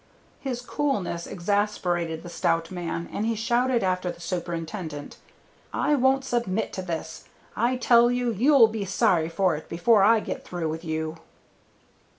His coolness exasperated the stout man, and he shouted after the Superintendent, "I won't submit to this. I tell you, you'll be sorry for it before I get through with you."